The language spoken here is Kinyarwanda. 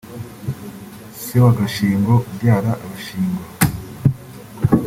Se wa Gashingo (ubyara Abashingo)